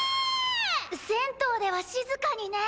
銭湯では静かにね！